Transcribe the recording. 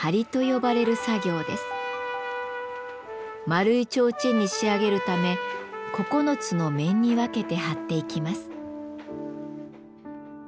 丸い提灯に仕上げるため９つの面に分けて張っていきます。